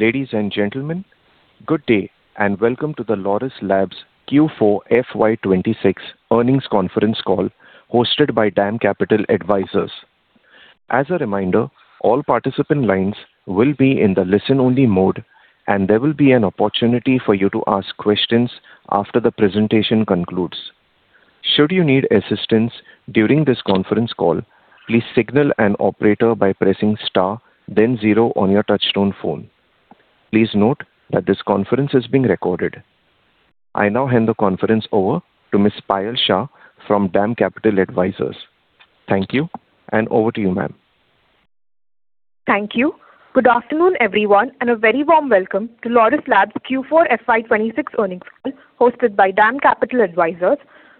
Ladies and gentlemen, good day, and welcome to the Laurus Labs Q4 FY 2026 earnings conference call hosted by DAM Capital Advisors. As a reminder, all participant lines will be in the listen only mode, and there will be an opportunity for you to ask questions after the presentation concludes. Should you need assistance during this conference call, please signal an operator by pressing star then zero on your touchtone phone. Please note that this conference is being recorded. I now hand the conference over to Ms. Payal Shah from DAM Capital Advisors. Thank you, and over to you, ma'am. Thank you. Good afternoon, everyone, and a very warm welcome to Laurus Labs Q4 FY 2026 earnings call hosted by DAM Capital Advisors.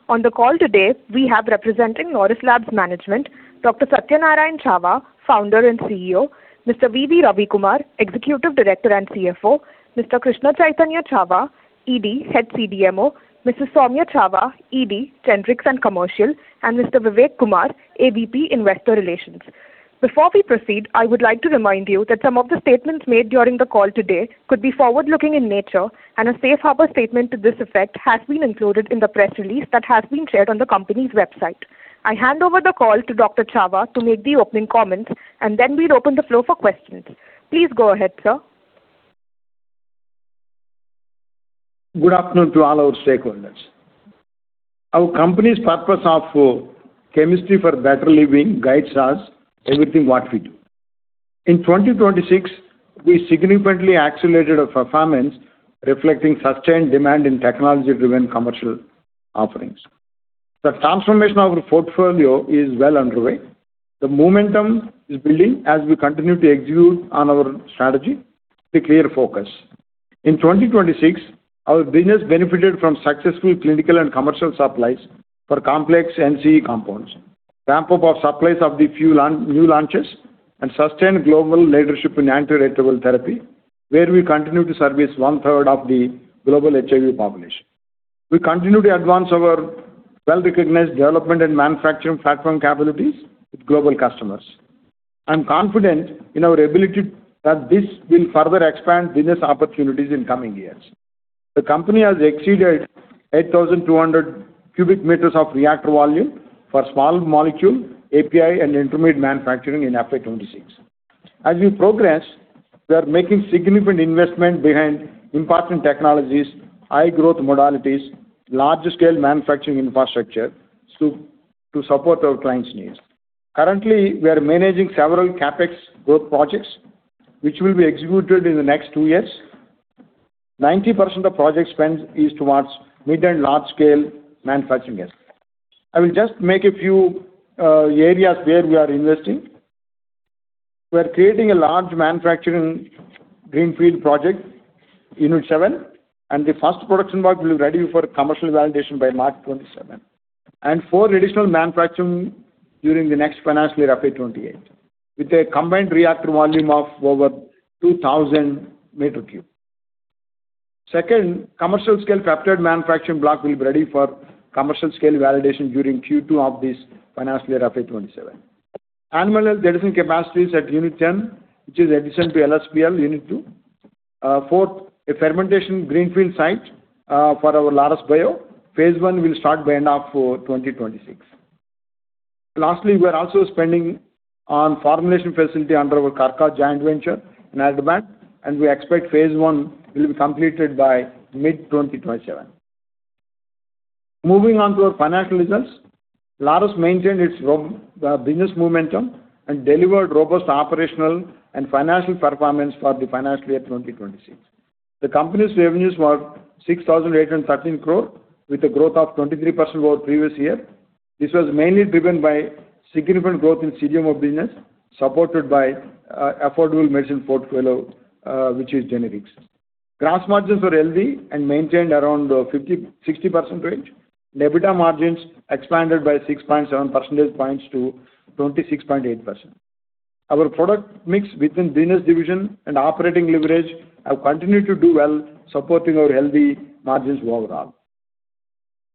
On the call today, we have representing Laurus Labs management Dr. Satyanarayana Chava, Founder and CEO, Mr. V.V. Ravi Kumar, Executive Director and CFO, Mr. Krishna Chaitanya Chava, ED Head CDMO, Mrs. Soumya Chava, ED Generics and Commercial, and Mr. Vivek Kumar, AVP Investor Relations. Before we proceed, I would like to remind you that some of the statements made during the call today could be forward-looking in nature and a safe harbor statement to this effect has been included in the press release that has been shared on the company's website. I hand over the call to Dr. Chava to make the opening comments, and then we'll open the floor for questions. Please go ahead, sir. Good afternoon to all our stakeholders. Our company's purpose of chemistry for better living guides us everything what we do. In 2026, we significantly accelerated our performance reflecting sustained demand in technology-driven commercial offerings. The transformation of our portfolio is well underway. The momentum is building as we continue to execute on our strategy with a clear focus. In 2026, our business benefited from successful clinical and commercial supplies for complex NCE compounds, ramp-up of supplies of the few new launches and sustained global leadership in antiretroviral therapy, where we continue to service one-third of the global HIV population. We continue to advance our well-recognized development and manufacturing platform capabilities with global customers. I'm confident in our ability that this will further expand business opportunities in coming years. The company has exceeded 8,200 cu m of reactor volume for small molecule API and intermediate manufacturing in FY 2026. As we progress, we are making significant investment behind important technologies, high growth modalities, large scale manufacturing infrastructure to support our clients' needs. Currently, we are managing several CapEx growth projects which will be executed in the next two years. 90% of project spend is towards mid and large scale manufacturing units. I will just make a few areas where we are investing. We're creating a large manufacturing greenfield project in unit 7, the first production block will be ready for commercial validation by March 2027. Four additional manufacturing during the next financial year, FY 2028, with a combined reactor volume of over 2,000 cu m. Commercial scale captured manufacturing block will be ready for commercial scale validation during Q2 of this financial year, FY 2027. Animal Health additional capacities at unit 10, which is addition to LSPL unit 2. A fermentation greenfield site for our Laurus Bio. Phase I will start by end of 2026. We are also spending on formulation facility under our KRKA joint venture in Aldermaston, and we expect phase I will be completed by mid-2027. Moving on to our financial results. Laurus maintained its robust business momentum and delivered robust operational and financial performance for the financial year 2026. The company's revenues were 6,813 crore with a growth of 23% over previous year. This was mainly driven by significant growth in CDMO business, supported by affordable medicine portfolio, which is generics. Gross margins were healthy and maintained around 50%-60% range. EBITDA margins expanded by 6.7 percentage points to 26.8%. Our product mix within business division and operating leverage have continued to do well, supporting our healthy margins overall.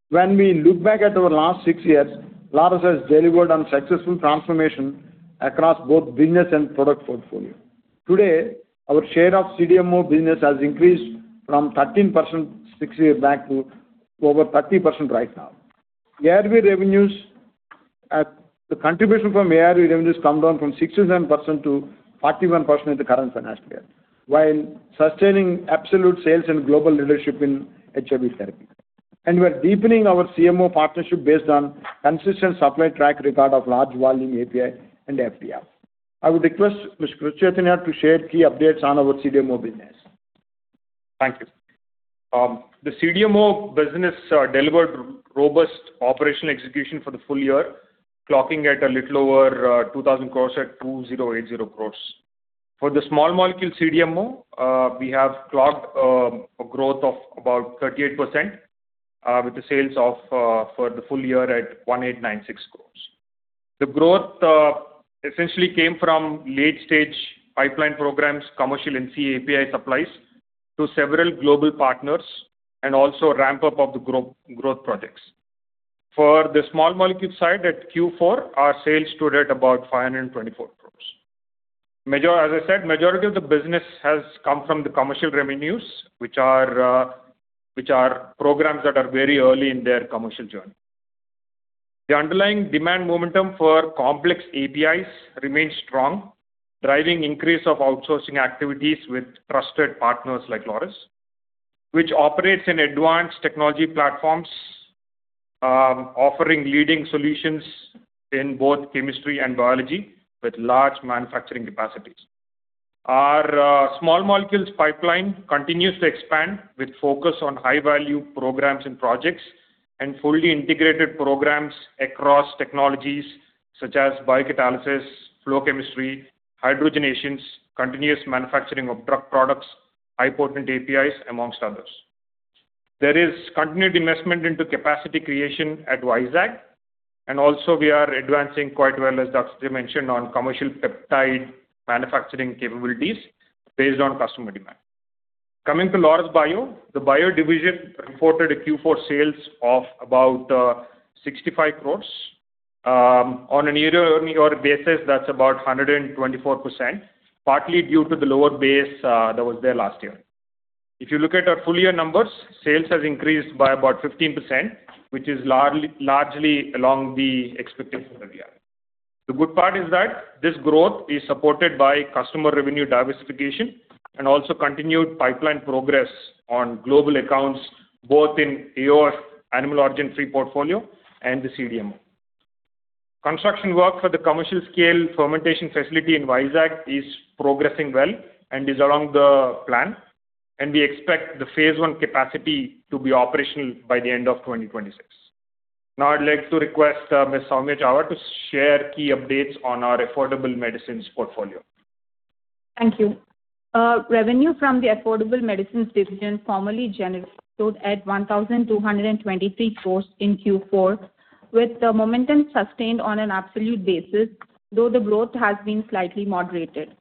When we look back at our last six years, Laurus has delivered on successful transformation across both business and product portfolio. Today, our share of CDMO business has increased from 13% 6 years back to over 30% right now. The contribution from ARV revenues come down from 67% to 41% in the current financial year, while sustaining absolute sales and global leadership in HIV therapy. We're deepening our CMO partnership based on consistent supply track record of large volume API and FDF. I would request Mr. Chaitanya to share key updates on our CDMO business. Thank you. The CDMO business delivered robust operational execution for the full year, clocking at a little over 2,000 crores at 2,080 crores. For the small molecule CDMO, we have clocked a growth of about 38%, with the sales for the full year at 1,896 crores. The growth essentially came from late-stage pipeline programs, commercial NCE API supplies to several global partners and also ramp-up of the growth projects. For the small molecule side at Q4, our sales stood at about 524 crores. Majority of the business has come from the commercial revenues, which are programs that are very early in their commercial journey. The underlying demand momentum for complex APIs remains strong, driving increase of outsourcing activities with trusted partners like Laurus, which operates in advanced technology platforms, offering leading solutions in both chemistry and biology with large manufacturing capacities. Our small molecules pipeline continues to expand with focus on high-value programs and projects, and fully integrated programs across technologies such as biocatalysis, flow chemistry, hydrogenations, continuous manufacturing of drug products, high-potency APIs, amongst others. There is continued investment into capacity creation at Vizag, and also we are advancing quite well, as Dr. Chava mentioned, on commercial peptide manufacturing capabilities based on customer demand. Coming to Laurus Bio. The bio division reported a Q4 sales of about 65 crore. On a year-on-year basis, that's about 124%, partly due to the lower base that was there last year. If you look at our full year numbers, sales has increased by about 15%, which is largely along the expectations of the year. The good part is that this growth is supported by customer revenue diversification and also continued pipeline progress on global accounts, both in AOF animal origin-free portfolio and the CDMO. Construction work for the commercial scale fermentation facility in Vizag is progressing well and is along the plan, and we expect the phase one capacity to be operational by the end of 2026. Now I'd like to request, Miss Soumya Chava to share key updates on our affordable medicines portfolio. Thank you. Revenue from the Affordable Medicines division, formerly Generics, stood at 1,223 crores in Q4, with the momentum sustained on an absolute basis, though the growth has been slightly moderated.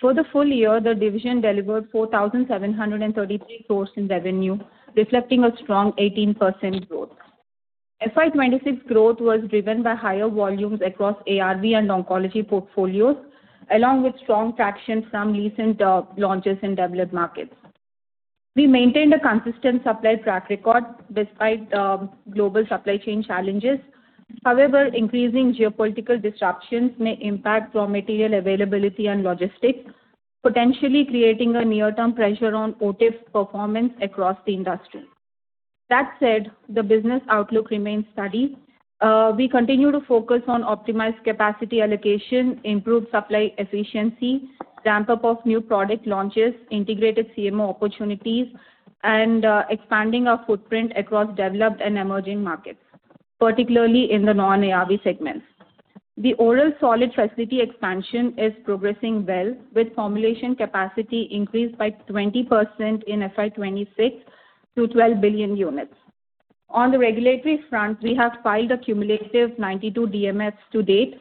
For the full year, the division delivered 4,733 crores in revenue, reflecting a strong 18% growth. FY 2026 growth was driven by higher volumes across ARV and oncology portfolios, along with strong traction from recent launches in developed markets. We maintained a consistent supply track record despite global supply chain challenges. However, increasing geopolitical disruptions may impact raw material availability and logistics, potentially creating a near-term pressure on OTIF performance across the industry. The business outlook remains steady. We continue to focus on optimized capacity allocation, improved supply efficiency, ramp-up of new product launches, integrated CMO opportunities, and expanding our footprint across developed and emerging markets, particularly in the non-ARV segments. The oral solid facility expansion is progressing well, with formulation capacity increased by 20% in FY 2026 to 12 billion units. On the regulatory front, we have filed a cumulative 92 DMFs to date.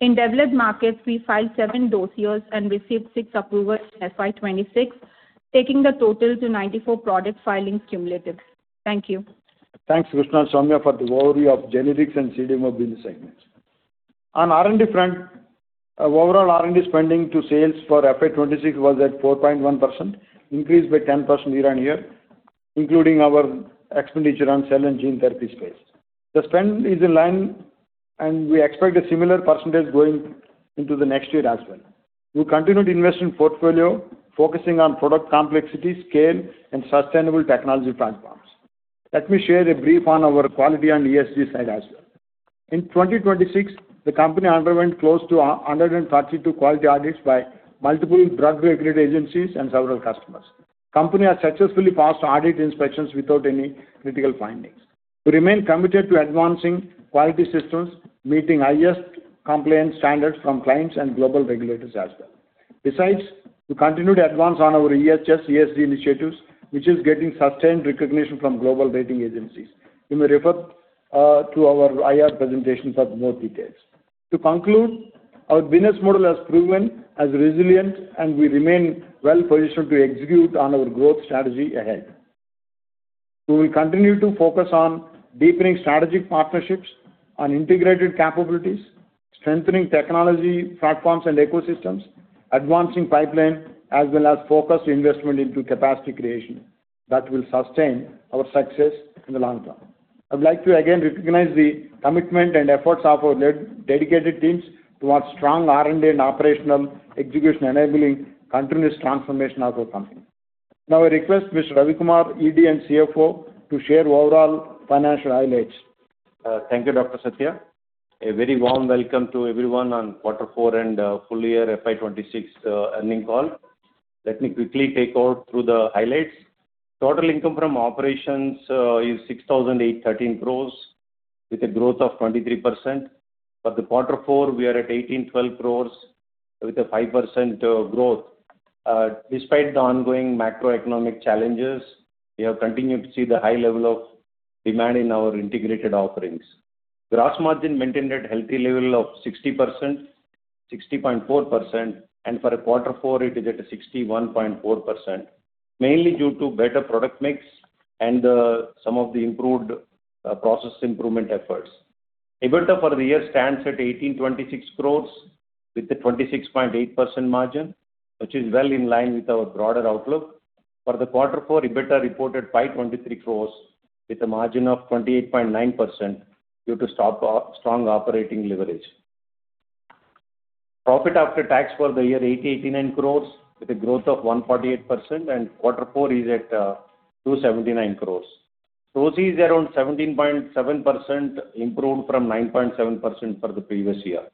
In developed markets, we filed seven dossiers and received six approvals in FY 2026, taking the total to 94 product filings cumulative. Thank you. Thanks, Krishna and Soumya, for the overview of Generics and CDMO business segments. On R&D front, overall R&D spending to sales for FY 2026 was at 4.1%, increased by 10% year-on-year, including our expenditure on cell and gene therapy space. The spend is in line, we expect a similar percentage going into the next year as well. We'll continue to invest in portfolio, focusing on product complexity, scale, and sustainable technology platforms. Let me share a brief on our quality and ESG side as well. In 2026, the company underwent close to 132 quality audits by multiple drug regulatory agencies and several customers. Company has successfully passed audit inspections without any critical findings. We remain committed to advancing quality systems, meeting highest compliance standards from clients and global regulators as well. Besides, we continue to advance on our EHS ESG initiatives, which is getting sustained recognition from global rating agencies. You may refer to our IR presentations for more details. To conclude, our business model has proven as resilient, and we remain well-positioned to execute on our growth strategy ahead. We continue to focus on deepening strategic partnerships on integrated capabilities, strengthening technology platforms and ecosystems, advancing pipeline, as well as focused investment into capacity creation that will sustain our success in the long term. I would like to again recognize the commitment and efforts of our dedicated teams towards strong R&D and operational execution, enabling continuous transformation of our company. Now I request Mr. Ravi Kumar, ED and CFO, to share overall financial highlights. Thank you, Dr. Satya. A very warm welcome to everyone on quarter four and full year FY 2026 earning call. Let me quickly take over through the highlights. Total income from operations is 6,813 crores with a growth of 23%. For the quarter four, we are at 1,812 crores with a 5% growth. Despite the ongoing macroeconomic challenges, we have continued to see the high level of demand in our integrated offerings. Gross margin maintained at healthy level of 60.4%, and for quarter four, it is at 61.4%. Mainly due to better product mix and some of the improved process improvement efforts. EBITDA for the year stands at 1,826 crores with a 26.8% margin, which is well in line with our broader outlook. For the Q4, EBITDA reported 523 crores with a margin of 28.9% due to strong operating leverage. Profit after tax for the year, 1,809 crores with a growth of 148% and Q4 is at 279 crores. ROCE is around 17.7%, improved from 9.7% for the previous year.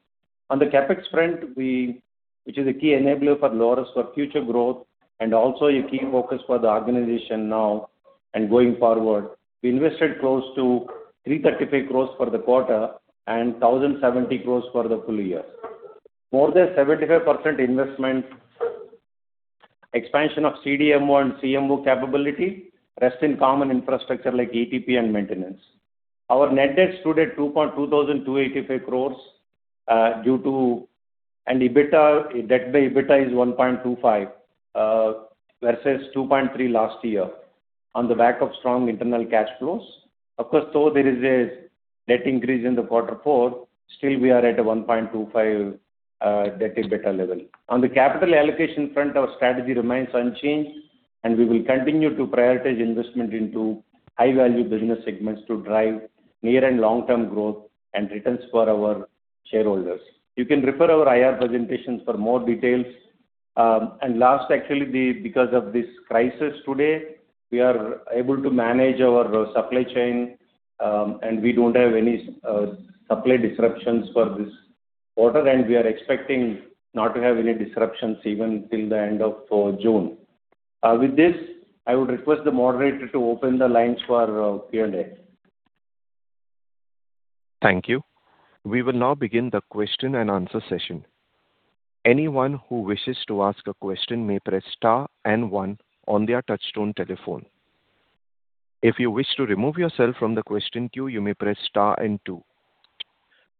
On the CapEx front, Which is a key enabler for Laurus for future growth and also a key focus for the organization now and going forward, we invested close to 333 crores for the quarter and 1,070 crores for the full year. More than 75% investment, expansion of CDMO and CMO capability, rest in common infrastructure like ETP and maintenance. Our net debt stood at 2,285 crores, due to an EBITDA, debt by EBITDA is 1.25 versus 2.3 last year on the back of strong internal cash flows. Of course, though there is a net increase in the quarter four, still we are at a 1.25 debt to EBITDA level. On the capital allocation front, our strategy remains unchanged, and we will continue to prioritize investment into high-value business segments to drive near and long-term growth and returns for our shareholders. You can refer our IR presentations for more details. Last, actually, because of this crisis today, we are able to manage our supply chain. We don't have any supply disruptions for this quarter, and we are expecting not to have any disruptions even till the end of June. With this, I would request the moderator to open the lines for Q&A. Thank you. We will now begin the question-and-answer session.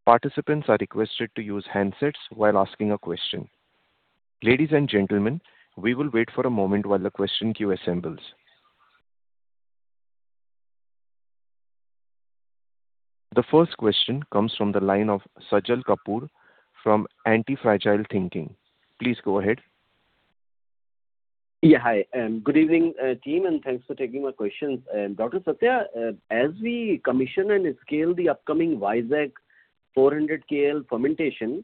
The first question comes from the line of Sajal Kapoor from Antifragile Thinking. Please go ahead. Yeah. Hi, good evening, team, and thanks for taking my questions. Dr. Satya, as we commission and scale the upcoming Vizag 400 KL fermentation,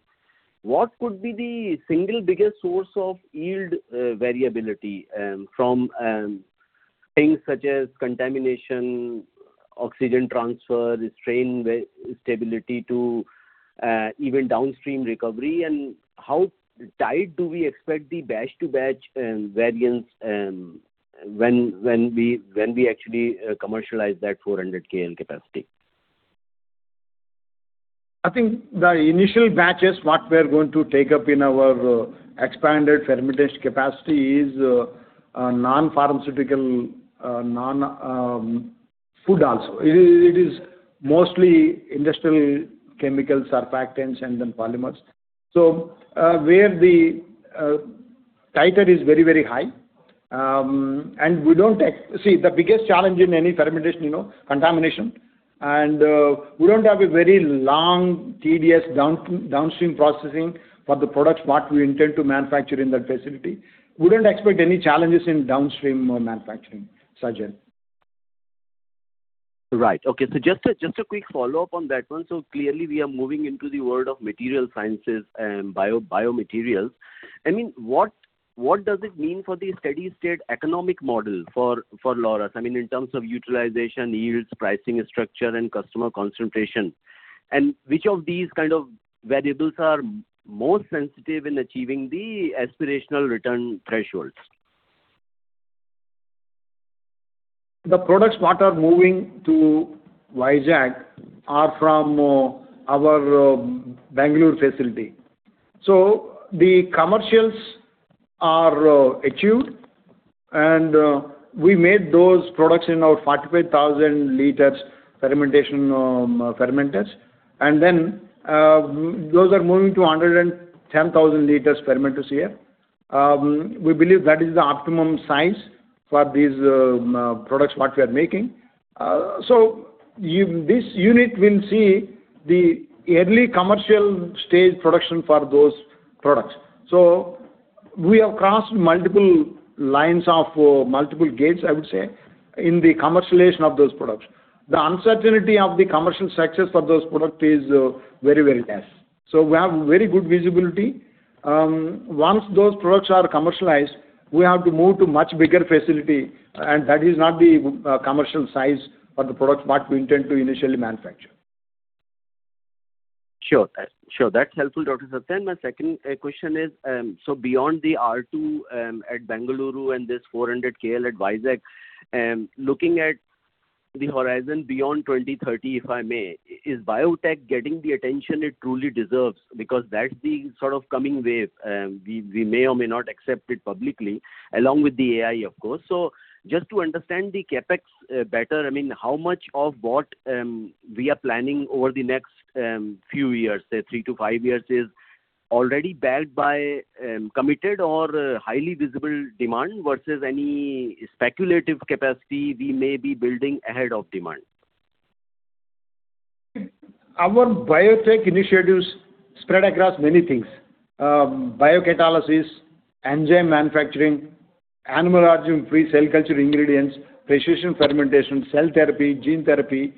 what could be the single biggest source of yield variability from things such as contamination, oxygen transfer, strain stability to even downstream recovery, and how tight do we expect the batch to batch variance when we actually commercialize that 400 KL capacity? I think the initial batches, what we're going to take up in our expanded fermentation capacity is non-pharmaceutical, non food also. It is mostly industrial chemicals, surfactants, and then polymers. Where the titer is very, very high, and we don't see the biggest challenge in any fermentation, you know, contamination, and we don't have a very long tedious downstream processing for the products what we intend to manufacture in that facility. We don't expect any challenges in downstream manufacturing, Sajal. Right. Okay. Just a quick follow-up on that one. Clearly we are moving into the world of material sciences and biomaterials. I mean, what does it mean for the steady state economic model for Laurus? I mean, in terms of utilization, yields, pricing structure, and customer concentration. Which of these kind of variables are more sensitive in achieving the aspirational return thresholds? The products what are moving to Vizag are from ourBengaluru facility. The commercials are achieved, and we made those products in our 45,000 L fermentation fermenters. Then those are moving to 110,000 L fermenters here. We believe that is the optimum size for these products what we are making. This unit will see the early commercial stage production for those products. We have crossed multiple lines of multiple gates, I would say, in the commercialization of those products. The uncertainty of the commercial success for those products is very, very less. We have very good visibility. Once those products are commercialized, we have to move to much bigger facility, and that is not the commercial size for the products what we intend to initially manufacture. Sure. That's helpful, Dr. Satya. My second question is, beyond the R2 at Bengaluru and this 400 KL at Vizag, looking at the horizon beyond 2030, if I may, is biotech getting the attention it truly deserves? Because that's the sort of coming wave, we may or may not accept it publicly along with the AI, of course. Just to understand the CapEx better, I mean, how much of what we are planning over the next few years, say three to five years is already backed by committed or highly visible demand versus any speculative capacity we may be building ahead of demand. Our biotech initiatives spread across many things. Biocatalysis, enzyme manufacturing, animal origin-free cell culture ingredients, precision fermentation, cell therapy, gene therapy,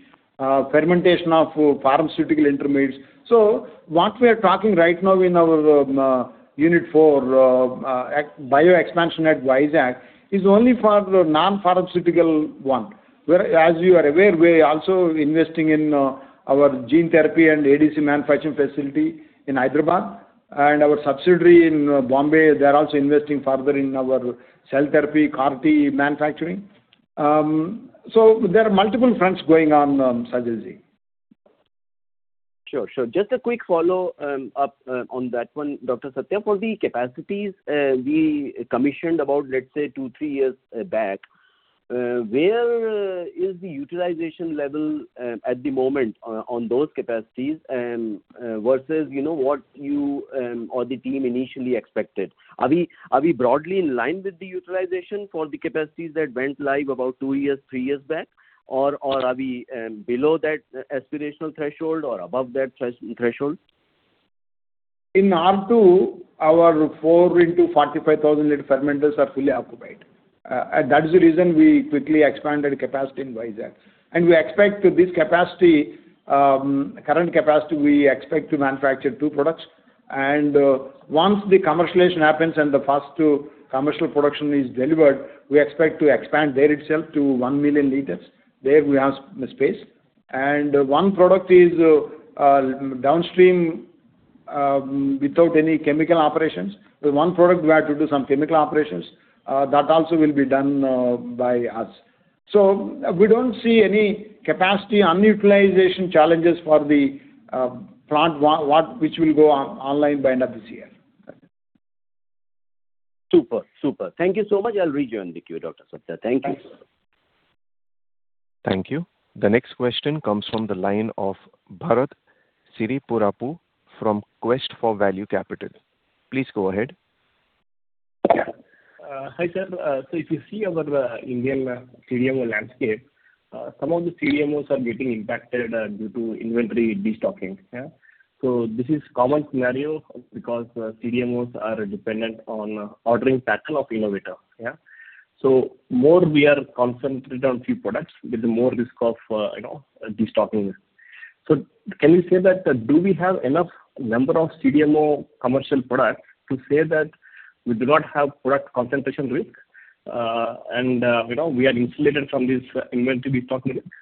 fermentation of pharmaceutical intermediates. What we are talking right now in our unit 4 bio expansion at Vizag is only for the non-pharmaceutical one. Where, as you are aware, we are also investing in our gene therapy and ADC manufacturing facility in Hyderabad, and our subsidiary in Bombay, they are also investing further in our cell therapy CAR-T manufacturing. There are multiple fronts going on, Sajal Kapoor. Sure, sure. Just a quick follow up on that one, Dr. Satya. For the capacities, we commissioned about, let's say, two, three years back, where is the utilization level at the moment on those capacities versus, you know, what you or the team initially expected? Are we broadly in line with the utilization for the capacities that went live about two years, three years back? Or are we below that aspirational threshold or above that threshold? In R2, our unit 4 into 45,000 L fermenters are fully occupied. That is the reason we quickly expanded capacity in Vizag. We expect this capacity, current capacity, we expect to manufacture 2 products. Once the commercialization happens and the first two commercial production is delivered, we expect to expand there itself to 1,000,000 L. There we have the space. One product is downstream without any chemical operations. The one product we have to do some chemical operations, that also will be done by us. We don't see any capacity unutilization challenges for the plant which will go online by end of this year. Super, super. Thank you so much. I'll rejoin the queue, Dr. Satya. Thank you. Thanks. Thank you. The next question comes from the line of Bharat Siripurapu from Quest for Value Capital. Please go ahead. Hi, sir. If you see our Indian CDMO landscape, some of the CDMOs are getting impacted due to inventory destocking. This is common scenario because CDMOs are dependent on ordering pattern of innovator. More we are concentrated on few products with the more risk of, you know, destocking. Can you say that do we have enough number of CDMO commercial product to say that we do not have product concentration risk and, you know, we are insulated from this inventory destocking risk?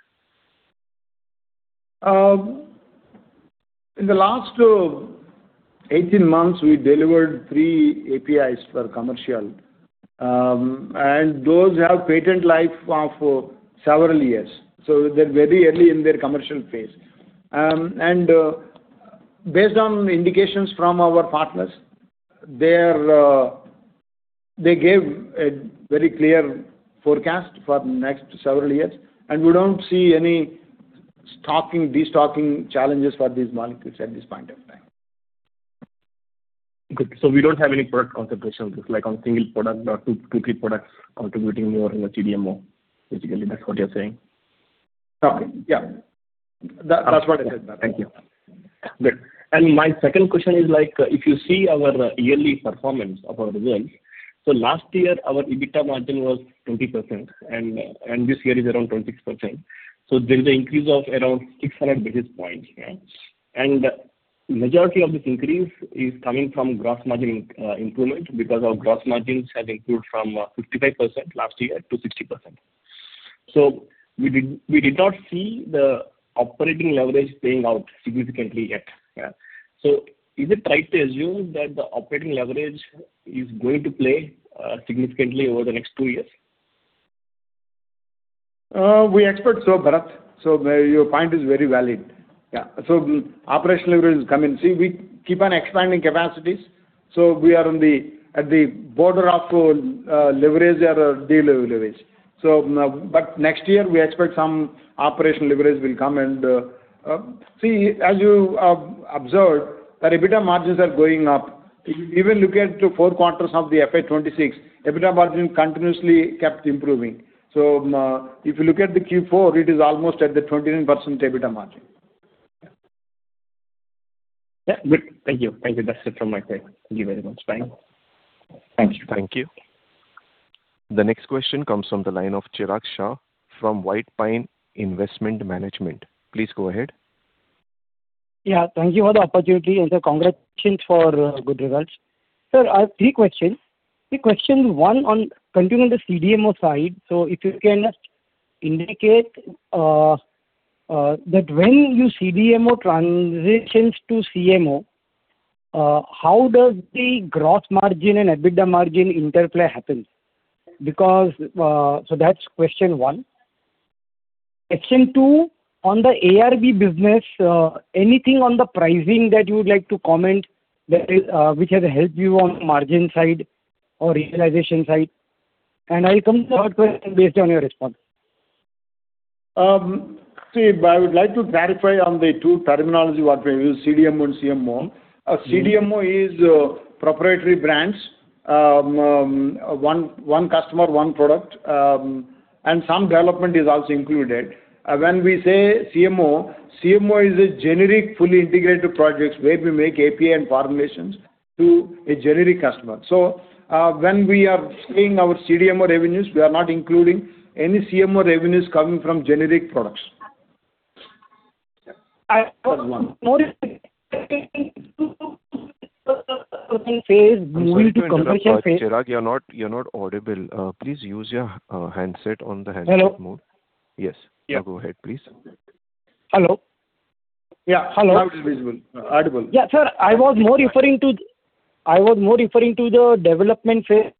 In the last 18 months, we delivered three APIs for commercial. Those have patent life of several years, so they're very early in their commercial phase. Based on indications from our partners, they gave a very clear forecast for next several years, and we don't see any stocking, destocking challenges for these molecules at this point of time. Good. We don't have any product concentration risk, like on single product or two, three products contributing more in the CDMO. Basically, that's what you're saying? No. Yeah. That's what I said. Thank you. Good. My second question is like, if you see our yearly performance of our results, last year our EBITDA margin was 20%, and this year is around 26%. There is an increase of around 600 basis points. Yeah. Majority of this increase is coming from gross margin improvement because our gross margins have improved from 55% last year to 60%. We did not see the operating leverage playing out significantly yet. Yeah. Is it right to assume that the operating leverage is going to play significantly over the next two years? We expect so, Bharat. Your point is very valid. Yeah. Operational leverage will come in. We keep on expanding capacities, so we are on the, at the border of leverage or de-leverage. But next year we expect some operational leverage will come. See, as you observed that EBITDA margins are going up. If you even look at the four quarters of the FY 2026, EBITDA margin continuously kept improving. If you look at the Q4, it is almost at the 29% EBITDA margin. Yeah. Good. Thank you. That's it from my side. Thank you very much. Bye. Thank you. Thank you. The next question comes from the line of Chirag Shah from White Pine Investment Management. Please go ahead. Yeah. Thank you for the opportunity, and congratulations for good results. Sir, I have three questions. Question one on continuing the CDMO side. If you can indicate that when your CDMO transitions to CMO, how does the gross margin and EBITDA margin interplay happen? Because that's question one. Question two, on the ARV business, anything on the pricing that you would like to comment that is which has helped you on margin side or realization side? I'll come to the third question based on your response. See, I would like to clarify on the two terminology, what we use CDMO and CMO. A CDMO is proprietary brands. One customer, one product, and some development is also included. When we say CMO is a generic fully integrated projects where we make API and formulations to a generic customer. When we are seeing our CDMO revenues, we are not including any CMO revenues coming from generic products. I was more referring to phase-. I'm sorry to interrupt. Chirag, you're not audible. Please use your handset on the handset mode. Hello. Yes. Yeah. Now go ahead, please. Hello. Yeah. Hello. Now it is visible. Audible. Yeah. Sir, I was more referring to the development phase.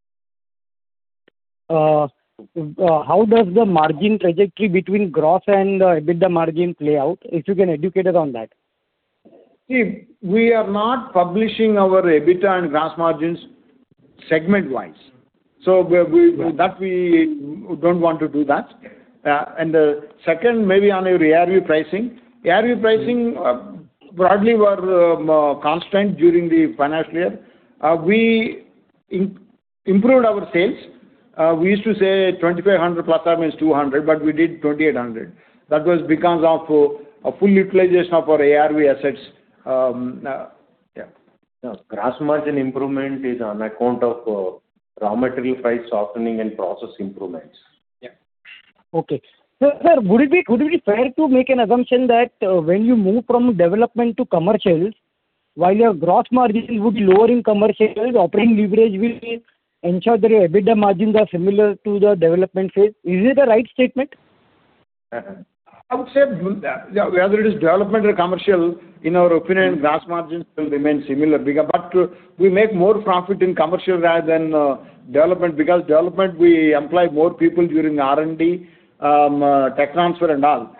How does the margin trajectory between gross and EBITDA margin play out? If you can educate us on that. We are not publishing our EBITDA and gross margins segment-wise. Yeah. That we don't want to do that. Second maybe on your ARV pricing. ARV pricing, broadly were constant during the financial year. We improved our sales. We used to say 2,500 ±200, but we did 2,800. That was because of a full utilization of our ARV assets. Yeah. Yeah. Gross margin improvement is on account of raw material price softening and process improvements. Yeah. Okay. Sir, would it be fair to make an assumption that when you move from development to commercials, while your gross margin would be lower in commercials, operating leverage will ensure their EBITDA margins are similar to the development phase. Is it a right statement? I would say whether it is development or commercial, in our opinion, gross margins will remain similar. We make more profit in commercial rather than development because development we employ more people during R&D, tech transfer and all.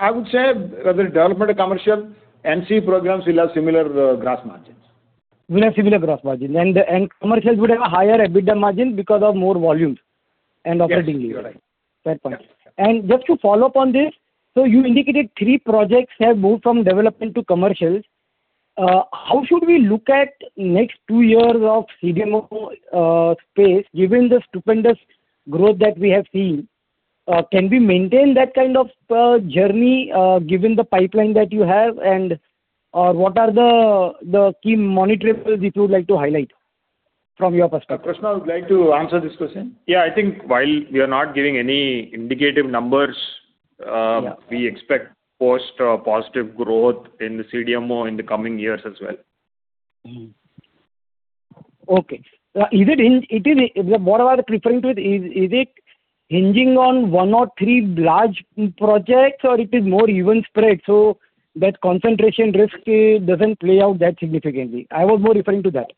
I would say whether development or commercial, NC programs will have similar gross margins. Will have similar gross margin. Commercials would have a higher EBITDA margin because of more volumes and operating leverage. Yes, you are right. Fair point. Yeah. Just to follow up on this, you indicated three projects have moved from development to commercials. How should we look at next two years of CDMO space given the stupendous growth that we have seen? Can we maintain that kind of journey given the pipeline that you have and what are the key monetizable that you would like to highlight from your perspective? Krishna would like to answer this question. Yeah. I think while we are not giving any indicative numbers. Yeah. We expect post positive growth in the CDMO in the coming years as well. Mm-hmm. Okay. What I was referring to is it hinging on one or three large projects or it is more even spread, so that concentration risk doesn't play out that significantly? I was more referring to that.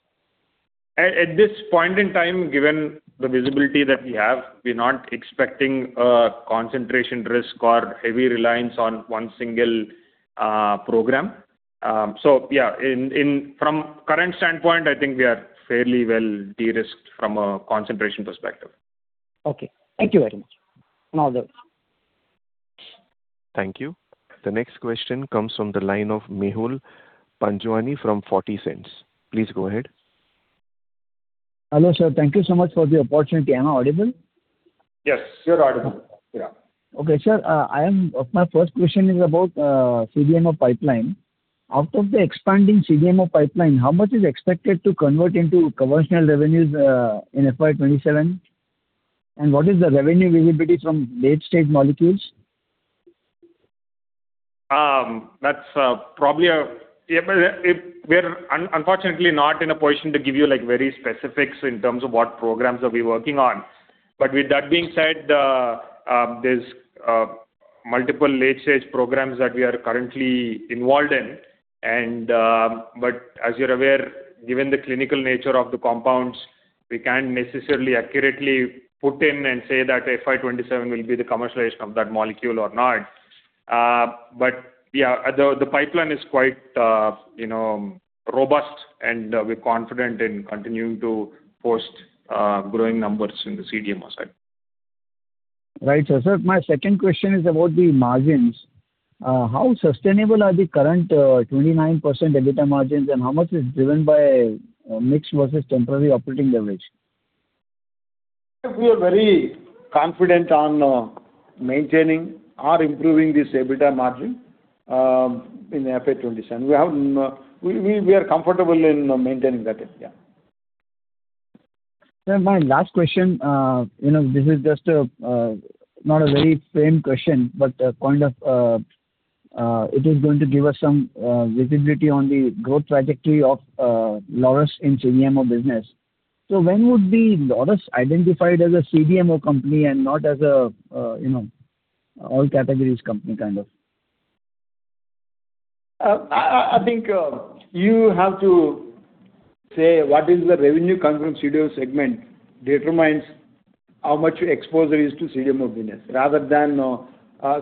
At this point in time, given the visibility that we have, we are not expecting a concentration risk or heavy reliance on one single program. From current standpoint, I think we are fairly well de-risked from a concentration perspective. Okay. Thank you very much. All the best. Thank you. The next question comes from the line of Mehul Panjwani from 40 Cents. Please go ahead. Hello, sir. Thank you so much for the opportunity. Am I audible? Yes, you're audible. Yeah. Okay. Sir, my first question is about CDMO pipeline. Out of the expanding CDMO pipeline, how much is expected to convert into commercial revenues in FY 2027? What is the revenue visibility from late-stage molecules? That's probably. Yeah, but we're unfortunately not in a position to give you like very specifics in terms of what programs are we working on. With that being said, there's multiple late-stage programs that we are currently involved in. As you're aware, given the clinical nature of the compounds, we can't necessarily accurately put in and say that FY 2027 will be the commercialization of that molecule or not. Yeah, the pipeline is quite, you know, robust and we're confident in continuing to post growing numbers in the CDMO side. Right. Sir, my second question is about the margins. How sustainable are the current 29% EBITDA margins, and how much is driven by mix versus temporary operating leverage? We are very confident on maintaining or improving this EBITDA margin in FY 2027. We are comfortable in maintaining that. Yeah. Sir, my last question, you know, this is just not a very framed question, but kind of, it is going to give us some visibility on the growth trajectory of Laurus in CDMO business. When would be Laurus identified as a CDMO company and not as a, you know, all categories company kind of? I think you have to say what is the revenue coming from CDMO segment determines how much your exposure is to CDMO business rather than.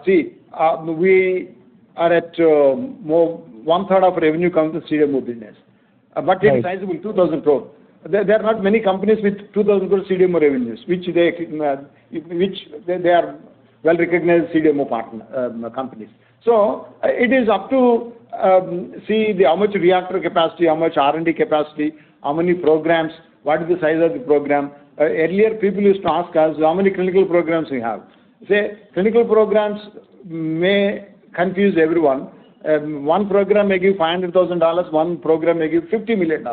We are at 1/3 of revenue comes to CDMO business. It is sizable, 2,000 crore. There are not many companies with 2,000 crore CDMO revenues, which they are well-recognized CDMO partner companies. It is up to see how much reactor capacity, how much R&D capacity, how many programs, what is the size of the program. Earlier people used to ask us how many clinical programs we have. Say, clinical programs may confuse everyone. One program may give $500,000, one program may give $50 million.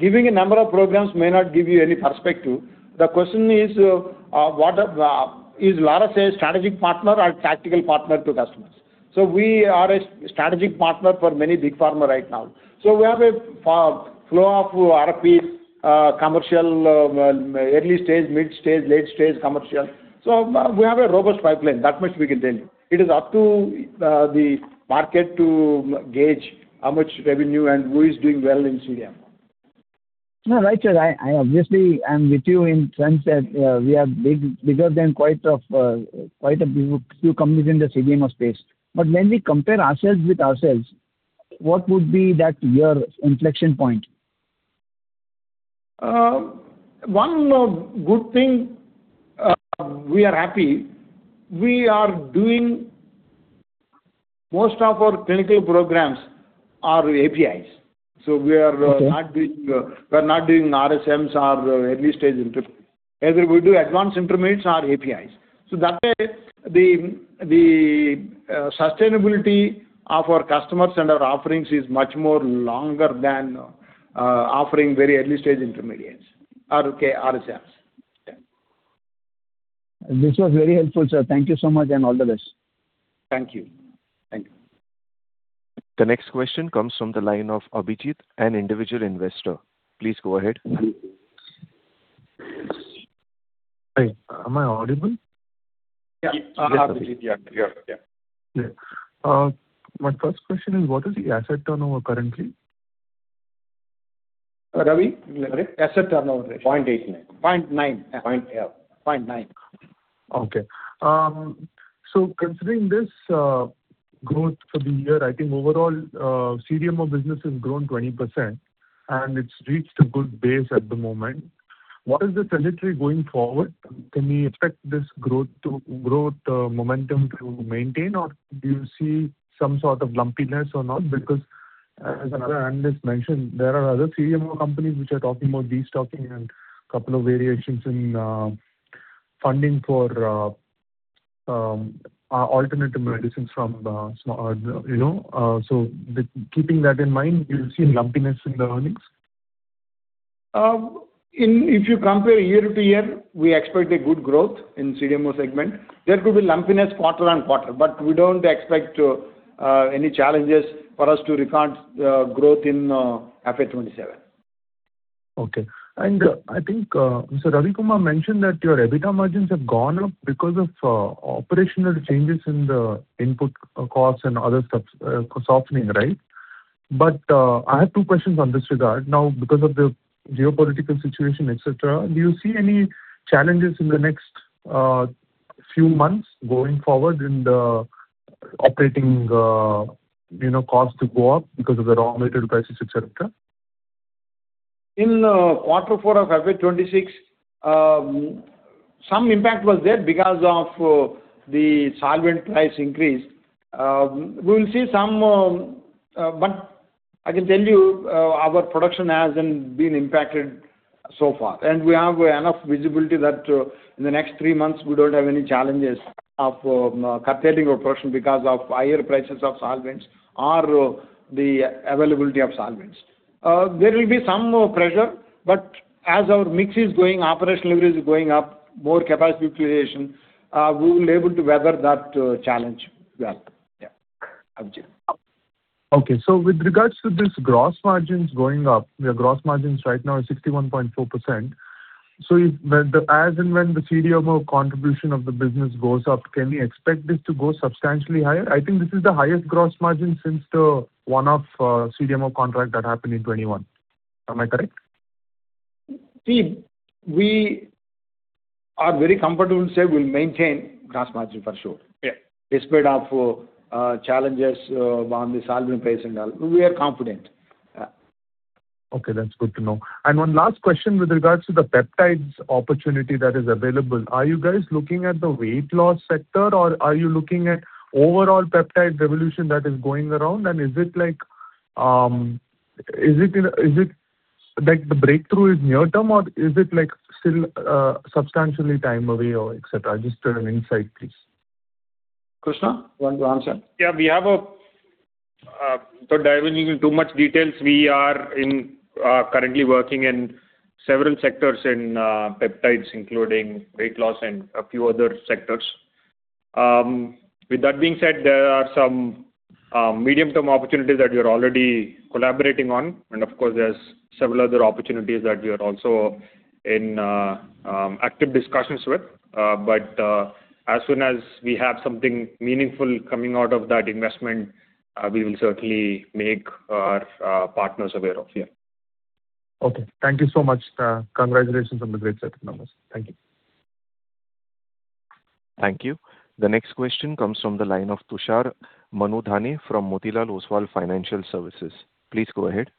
Giving a number of programs may not give you any perspective. The question is, is Laurus a strategic partner or tactical partner to customers? We are a strategic partner for many big pharma right now. We have a pro-flow of RFPs, commercial, early stage, mid stage, late stage commercial. We have a robust pipeline, that much we can tell you. It is up to the market to gauge how much revenue and who is doing well in CDMO. No, right, sir. I obviously am with you in sense that we are bigger than quite a few companies in the CDMO space. When we compare ourselves with ourselves, what would be that year inflection point? One good thing, we are happy we are doing most of our clinical programs are APIs. Okay. Not doing, we're not doing RSMs or early-stage inter. Either we do advanced intermediates or APIs. That way the sustainability of our customers and our offerings is much more longer than offering very early-stage intermediates or KSMs. Yeah. This was very helpful, sir. Thank you so much, and all the best. Thank you. Thank you. The next question comes from the line of Abhijit, an individual investor. Please go ahead. Hi, am I audible? Yeah. Yes. Abhijit, yeah. You are, yeah. Yeah. My first question is, what is the asset turnover currently? Ravi. Sorry. Asset turnover ratio. INR 0.89. 0.9. Yeah. Point. Yeah. Point nine. Considering this, growth for the year, I think overall, CDMO business has grown 20% and it's reached a good base at the moment. What is the trajectory going forward? Can we expect this growth momentum to maintain? Or do you see some sort of lumpiness or not? As another analyst mentioned, there are other CDMO companies which are talking about destocking and couple of variations in funding for alternative medicines from the small, you know. With keeping that in mind, do you see any lumpiness in the earnings? If you compare year to year, we expect a good growth in CDMO segment. There could be lumpiness quarter on quarter, but we don't expect any challenges for us to record growth in FY 2027. Okay. I think Mr. Ravi Kumar mentioned that your EBITDA margins have gone up because of operational changes in the input costs and other stuff, softening, right? I have two questions on this regard. Because of the geopolitical situation, et cetera, do you see any challenges in the next few months going forward in the operating, you know, costs to go up because of the raw material prices, et cetera? In Q4 of FY 2026, some impact was there because of the solvent price increase. We'll see some. I can tell you, our production hasn't been impacted so far. We have enough visibility that in the next three months we don't have any challenges of curtailing our production because of higher prices of solvents or the availability of solvents. There will be some pressure, but as our mix is going, operational mix is going up, more capacity creation, we will able to weather that challenge well. Yeah. Abhijit? Okay. With regards to this gross margins going up, your gross margins right now are 61.4%. As and when the CDMO contribution of the business goes up, can we expect this to go substantially higher? I think this is the highest gross margin since the one-off CDMO contract that happened in 2021. Am I correct? See, we are very comfortable to say we'll maintain gross margin for sure. Yeah. Despite of challenges on the solvent price and all, we are confident. Yeah. Okay, that's good to know. One last question with regards to the peptides opportunity that is available. Are you guys looking at the weight loss sector, or are you looking at overall peptide revolution that is going around? Is it like the breakthrough is near term, or is it like still substantially time away or et cetera? Just an insight, please. Krishna, you want to answer? We have a, diving into too much details, we are currently working in several sectors in peptides, including weight loss and a few other sectors. With that being said, there are some medium-term opportunities that we are already collaborating on. Of course, there's several other opportunities that we are also in active discussions with. But, as soon as we have something meaningful coming out of that investment, we will certainly make our partners aware of. Okay. Thank you so much. Congratulations on the great set of numbers. Thank you. Thank you. The next question comes from the line of Tushar Manudhane from Motilal Oswal Financial Services. Please go ahead.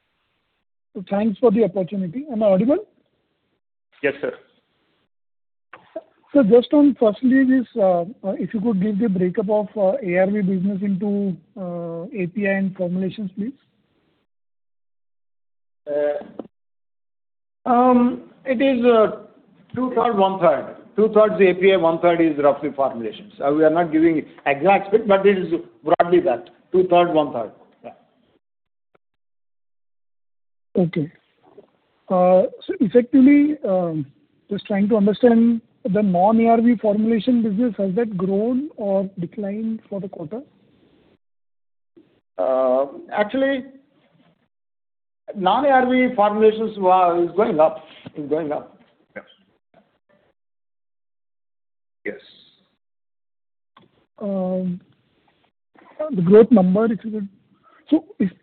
Thanks for the opportunity. Am I audible? Yes, sir. Just on firstly this, if you could give the breakup of ARV business into API and formulations, please. It is two-third, one-third. Two-thirds API, one-third is roughly formulations. We are not giving exact split, but it is broadly that, two-third, one-third. Yeah. Okay. Effectively, just trying to understand the non-ARV formulation business, has that grown or declined for the quarter? Actually, non-ARV formulations, is going up. Is going up. Yes. Yes. The growth number is...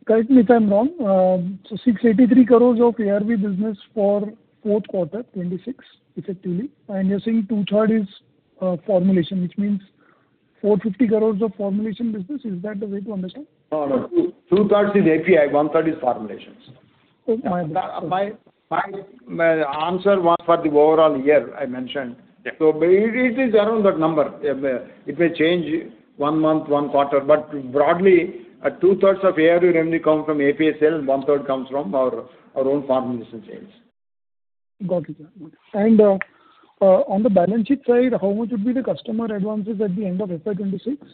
Correct me if I'm wrong. 683 crores of ARV business for fourth quarter, 2026 effectively. You're saying two-third is formulation, which means 450 crores of formulation business. Is that the way to understand? No, no. Two-thirds is API, one-third is formulations. Okay. My answer was for the overall year I mentioned. Yeah. It is around that number. It may change one month, one quarter, but broadly, two-thirds of ARV revenue come from API sale and one-third comes from our own formulation sales. Got it. On the balance sheet side, how much would be the customer advances at the end of FY 2026?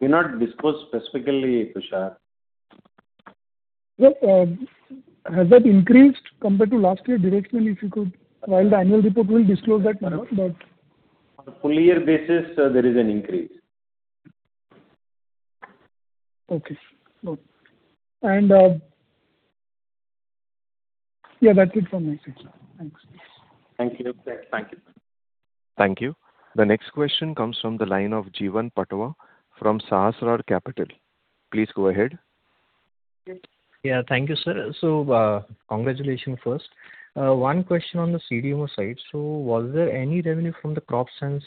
we not disclose specifically, Tushar. Has that increased compared to last year directionally if you could? The annual report will disclose that number. On a full year basis, there is an increase. Okay.Yeah, that's it from my side, sir. Thanks. Thank you. Thank you. Thank you. The next question comes from the line of Jeevan Patwa from Sahasrar Capital. Please go ahead. Thank you, sir. Congratulations first. One question on the CDMO side. Was there any revenue from the Crop Science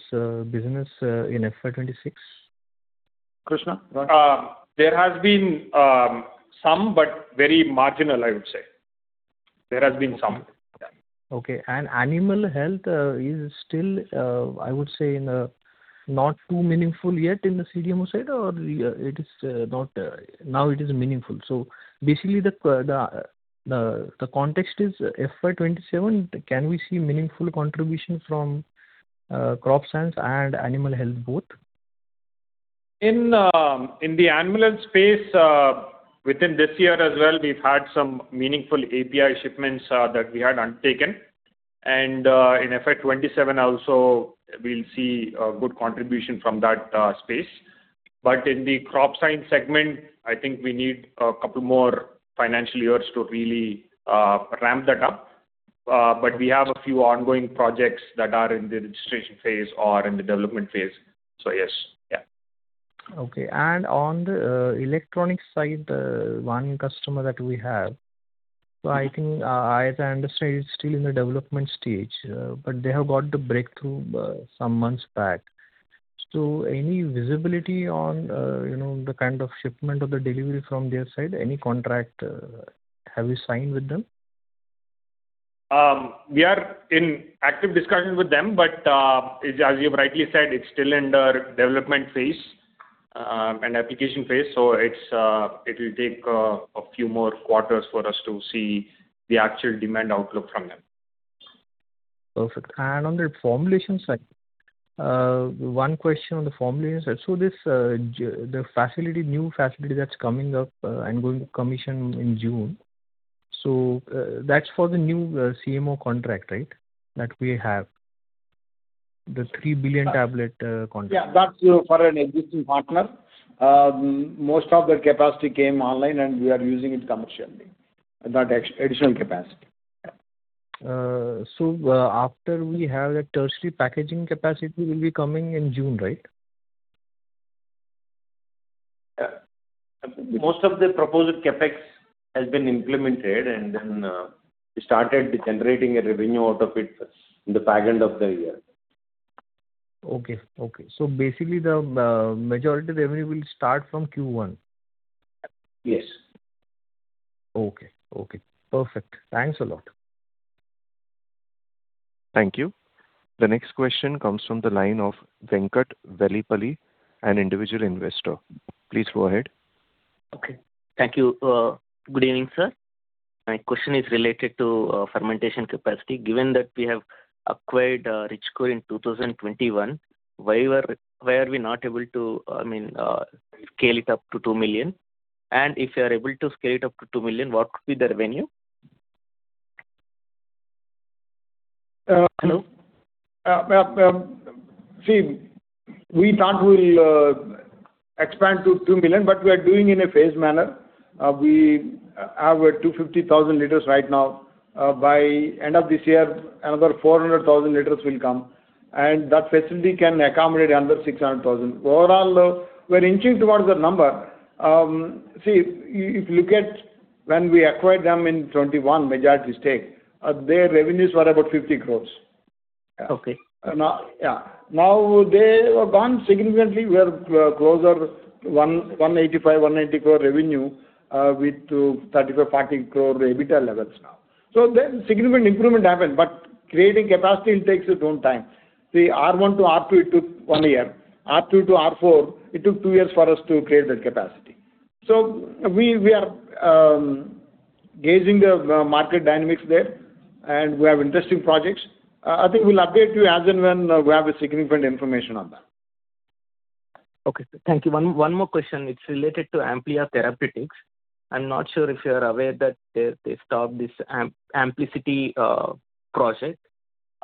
business in FY 2026? Krishna? There has been some, but very marginal, I would say. There has been some. Yeah. Okay. Animal Health is still, I would say in a not too meaningful yet in the CDMO side, or is it meaningful now? Basically the context is FY 2027, can we see meaningful contribution from Crop Science and Animal Health both? In the Animal Health space, within this year as well, we've had some meaningful API shipments that we had undertaken. In FY 2027 also we'll see a good contribution from that space. In the Crop Science segment, I think we need a couple more financial years to really ramp that up. We have a few ongoing projects that are in the registration phase or in the development phase. Yes. Yeah. Okay. On the electronic side, one customer that we have, so I think, as I understand it's still in the development stage, but they have got the breakthrough, some months back. Any visibility on, you know, the kind of shipment or the delivery from their side? Any contract, have you signed with them? We are in active discussion with them, but as you've rightly said, it's still under development phase and application phase. It will take a few more quarters for us to see the actual demand outlook from them. Perfect. On the formulation side, one question on the formulation side. This, the facility, new facility that's coming up and going to commission in June. That's for the new CMO contract, right? That we have. The 3 billion tablet contract. Yeah, that's, you know, for an existing partner. Most of that capacity came online, and we are using it commercially, that additional capacity. Yeah. After we have that tertiary packaging capacity will be coming in June, right? Yeah. Most of the proposed CapEx has been implemented, and then, we started generating a revenue out of it in the back end of the year. Okay. Basically the majority of the revenue will start from Q1. Yes. Okay. Perfect. Thanks a lot. Thank you. The next question comes from the line of Venkat Velipalli, an individual investor. Please go ahead. Okay. Thank you. Good evening, sir. My question is related to fermentation capacity. Given that we have acquired Richcore in 2021, why are we not able to, I mean, scale it up to 2 million? If you are able to scale it up to 2 million, what would be the revenue? Uh- Hello? See, we thought we'll expand to 2 million, but we are doing in a phased manner. We have 250,000 L right now. By end of this year, another 400,000 L will come, and that facility can accommodate another 600,000 L. Overall, we're inching towards that number. See, if you look at when we acquired them in 2021, majority stake, their revenues were about 50 crores. Okay. Yeah. Now they have gone significantly. We are closer 185 crore, 180 crore revenue, with 35-40 crore EBITDA levels now. There's significant improvement happened. Creating capacity, it takes its own time. The R1 to R2, it took one year. R2 to R4, it took two years for us to create that capacity. We are gauging the market dynamics there, and we have interesting projects. I think we'll update you as and when we have a significant information on that. Okay, sir. Thank you. One more question. It's related to Amplia Therapeutics. I'm not sure if you are aware that they stopped this AMPLICITY project.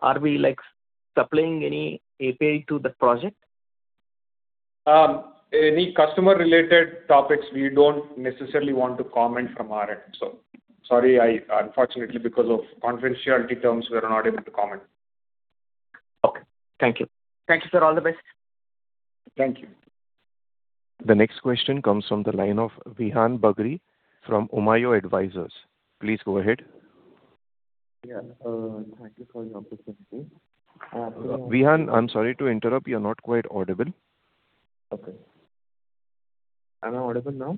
Are we, like, supplying any API to that project? Any customer-related topics, we don't necessarily want to comment from our end. Sorry, unfortunately, because of confidentiality terms, we are not able to comment. Okay, thank you. Thank you, sir. All the best. Thank you. The next question comes from the line of Vihan Bagri from Umaio Advisors. Please go ahead. Yeah. Thank you for the opportunity. Vihan, I'm sorry to interrupt. You're not quite audible. Okay. Am I audible now?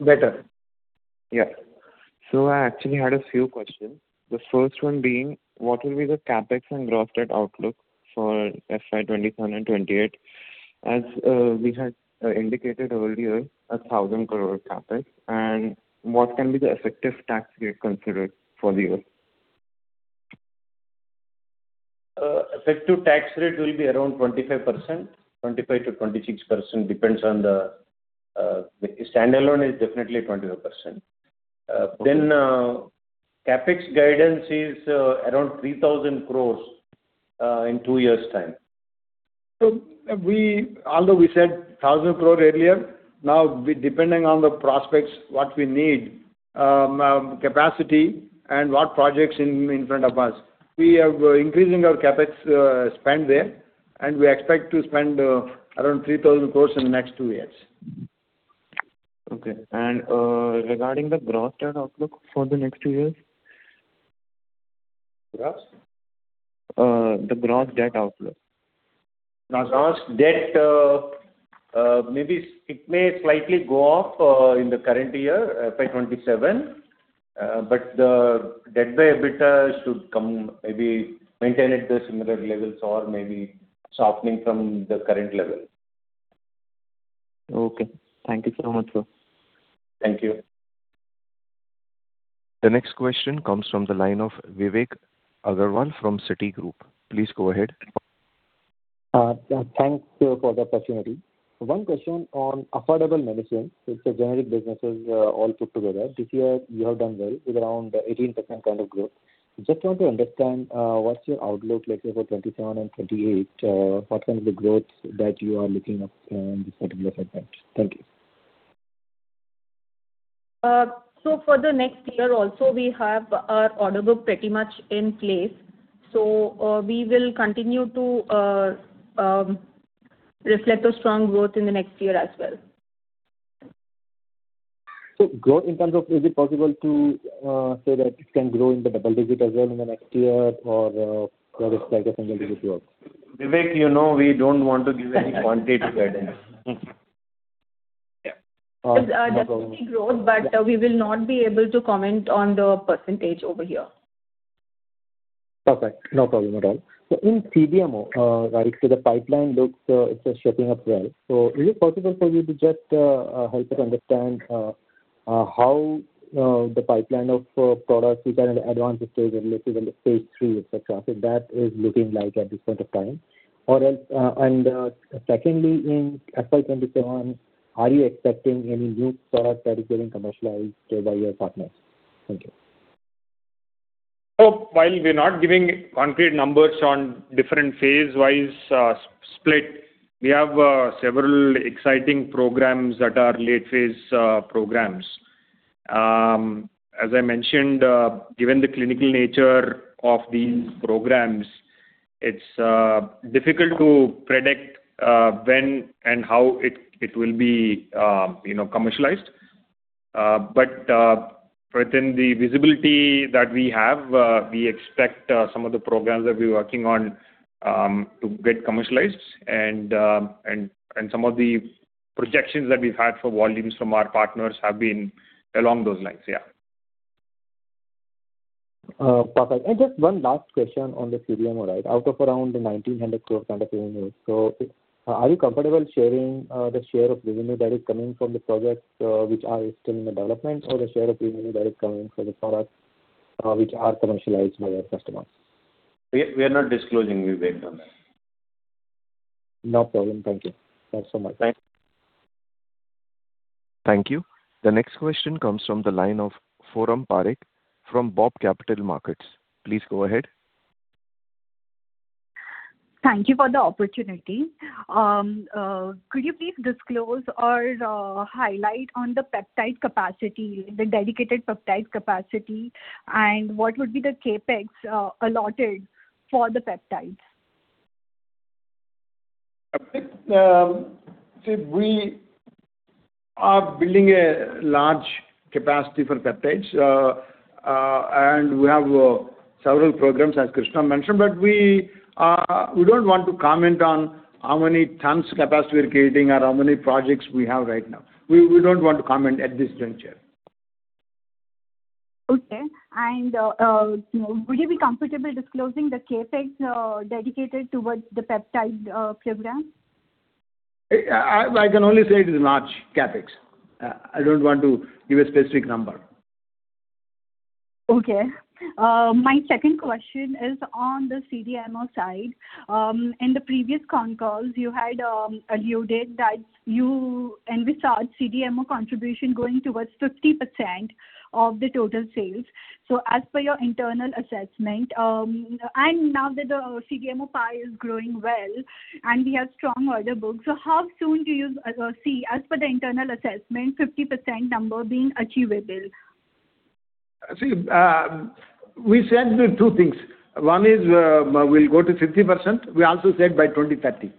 Better. Yeah. I actually had a few questions. The first one being, what will be the CapEx and gross debt outlook for FY 2027 and 2028, as we had indicated earlier, an 1,000 crore CapEx? What can be the effective tax rate considered for the year? Effective tax rate will be around 25%. 25%-26%, depends on the. The standalone is definitely 25%. CapEx guidance is around 3,000 crores in two years' time. Although we said 1,000 crore earlier, now depending on the prospects, what we need, capacity and what projects in front of us, we are increasing our CapEx spend there, and we expect to spend around 3,000 crores in the next two years. Okay. Regarding the gross debt outlook for the next two years. Gross? The gross debt outlook. Gross debt, maybe it may slightly go up, in the current year, FY 2027. The debt by EBITDA should come maybe maintain at the similar levels or maybe softening from the current level. Okay. Thank you so much, sir. Thank you. The next question comes from the line of Vivek Agrawal from Citigroup. Please go ahead. Thanks, sir, for the opportunity. One question on affordable medicines. It's a generic businesses, all put together. This year you have done well with around 18% kind of growth. Just want to understand, what's your outlook, let's say, for FY 2027 and FY 2028? What kind of the growth that you are looking up in this particular segment? Thank you. For the next year also, we have our order book pretty much in place. We will continue to reflect a strong growth in the next year as well. Growth in terms of is it possible to say that it can grow in the double-digit as well in the next year or what is like a single-digit growth? Vivek, you know we don't want to give any quantitative guidance. Yeah. No problem. There's definitely growth, but we will not be able to comment on the percentage over here. Perfect. No problem at all. In CDMO, like, so the pipeline looks, it's shaping up well. Is it possible for you to just help us understand how the pipeline of products which are in the advanced stage and which is in the phase III, et cetera? That is looking like at this point of time. Secondly, in FY 2027, are you expecting any new products that are getting commercialized by your partners? Thank you. While we are not giving concrete numbers on different phase-wise, split, we have several exciting programs that are late-phase programs. As I mentioned, given the clinical nature of these programs, it's difficult to predict when and how it will be, you know, commercialized. Within the visibility that we have, we expect some of the programs that we're working on to get commercialized and some of the projections that we've had for volumes from our partners have been along those lines. Yeah. Perfect. Just one last question on the CDMO, right? Out of around 1,900 crore kind of revenue. Are you comfortable sharing the share of revenue that is coming from the projects, which are still in the development, or the share of revenue that is coming from the products, which are commercialized by your customers? We are not disclosing, Vivek, on that. No problem. Thank you. Thanks so much. Thanks. Thank you. The next question comes from the line of Foram Parekh from BOB Capital Markets. Please go ahead. Thank you for the opportunity. Could you please disclose or highlight on the peptide capacity, the dedicated peptide capacity, and what would be the CapEx allotted for the peptides? See, we are building a large capacity for peptides, and we have several programs, as Krishna mentioned, but we don't want to comment on how many tons capacity we're creating or how many projects we have right now. We don't want to comment at this juncture. Okay. Would you be comfortable disclosing the CapEx dedicated towards the peptide program? I can only say it is large CapEx. I don't want to give a specific number. Okay. My second question is on the CDMO side. In the previous concalls, you had alluded that you envisage CDMO contribution going towards 50% of the total sales. As per your internal assessment, and now that the CDMO pie is growing well and we have strong order book, how soon do you see as per the internal assessment, 50% number being achievable? See, we said the two things. One is, we'll go to 50%. We also said by 2030.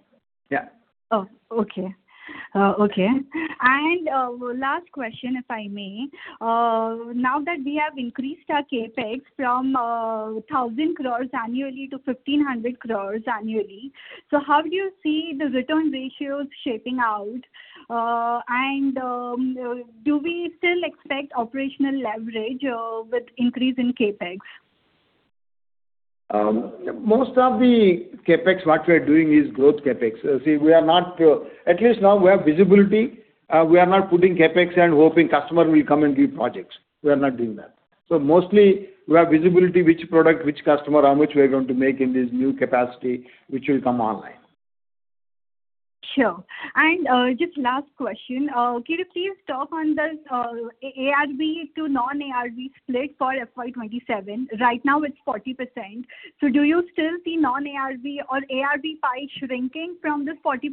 Yeah. Oh, okay. Okay. Last question, if I may. Now that we have increased our CapEx from 1,000 crores annually to 1,500 crores annually, how do you see the return ratios shaping out? Do we still expect operational leverage with increase in CapEx? Most of the CapEx, what we are doing is growth CapEx. We are not. At least now we have visibility. We are not putting CapEx and hoping customer will come and give projects. We are not doing that. Mostly we have visibility which product, which customer, how much we are going to make in this new capacity which will come online. Sure. Just last question. Could you please talk on the ARV to non-ARV split for FY 2027? Right now it's 40%. Do you still see non-ARV or ARV pie shrinking from this 40%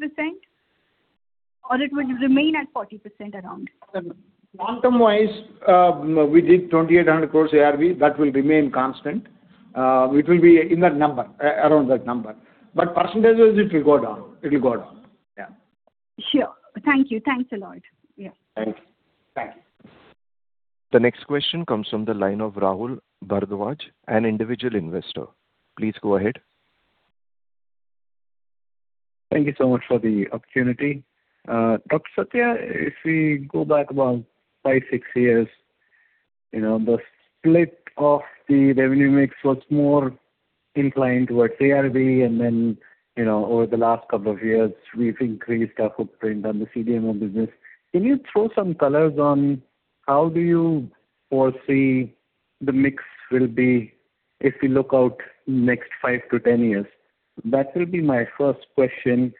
or it would remain at 40% around? Quantum-wise, we did 2,800 crores ARV. That will remain constant. It will be in that number, around that number. Percentages, it will go down. It'll go down. Yeah. Sure. Thank you. Thanks a lot. Yeah. Thank you. Thank you. The next question comes from the line of Rahul Bhardwaj, an individual investor. Please go ahead. Thank you so much for the opportunity. Dr. Satya, if we go back about five to six years, you know, the split of the revenue mix was more inclined towards ARV and then, you know, over the last couple of years, we've increased our footprint on the CDMO business. Can you throw some colors on how do you foresee the mix will be if we look out next 5-10 years? That will be my first question.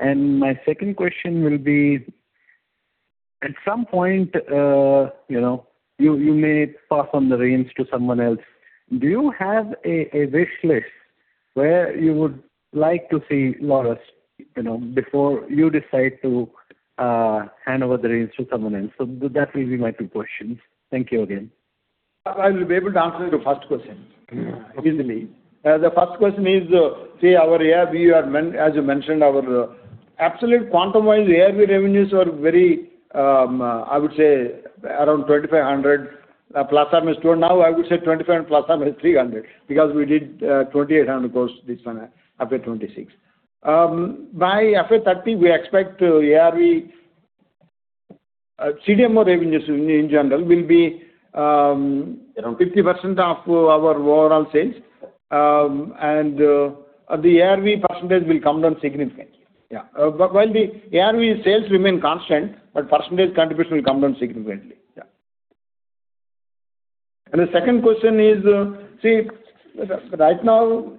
My second question will be: at some point, you know, you may pass on the reins to someone else. Do you have a wish list where you would like to see Laurus, you know, before you decide to hand over the reins to someone else? That will be my two questions. Thank you again. I will be able to answer your first question easily. The first question is, see our ARV, as you mentioned, our absolute quantum-wise ARV revenues are very, I would say around 2,500 ± 2. Now I would say 2,500 ± 300, because we did 2,800 crore this one, FY 2026. By FY 2030, we expect ARV CDMO revenues in general will be around 50% of our overall sales. The ARV percentage will come down significantly. Yeah. While the ARV sales remain constant, percentage contribution will come down significantly. Yeah. The second question is, see, right now,